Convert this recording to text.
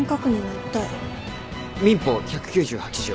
民法１９８条。